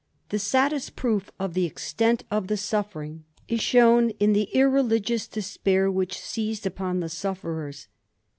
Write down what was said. The saddest proof of the extent of the suffering is shown in the irrdigious despair which seized upon the sufferers.